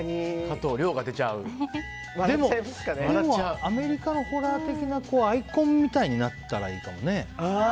でもアメリカのホラー的なアイコンみたいになったらいいかもね。